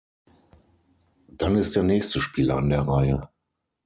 Dann ist der nächste Spieler an der Reihe.